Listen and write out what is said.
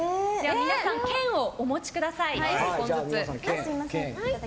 皆さん、剣をお持ちください。